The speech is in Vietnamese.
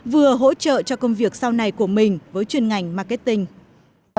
vừa hỗ trợ cho công việc sau này của mình với chuyên ngành marketing